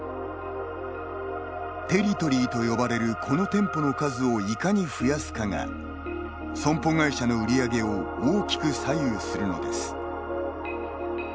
テリトリーと呼ばれるこの店舗の数をいかに増やすかが損保会社の売り上げを大きく左右するのです。